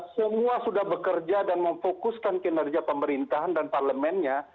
semua sudah bekerja dan memfokuskan kinerja pemerintahan dan parlemennya